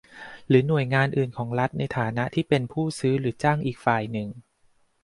หรือหน่วยงานอื่นของรัฐในฐานะที่เป็นผู้ซื้อหรือจ้างอีกฝ่ายหนึ่ง